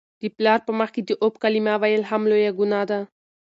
د پلار په مخ کي د "اف" کلمه ویل هم لویه ګناه ده.